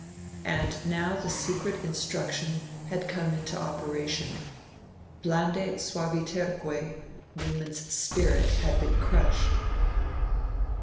And now the secret instruction had come into operation blande suaviterque: Dr. Newman's spirit had been crushed.